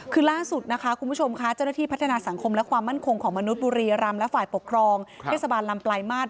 คือล่าสุดนะคะคุณผู้ชมค่ะเจ้าหน้าที่พัฒนาสังคมและความมั่นคงของมนุษย์บุรีรำและฝ่ายปกครองเทศบาลลำปลายมาตร